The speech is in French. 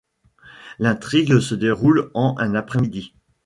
L'intrigue se déroule en un après-midi.